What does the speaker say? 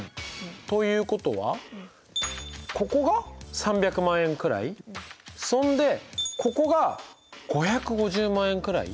ということはここが３００万円くらいそんでここが５５０万円くらい。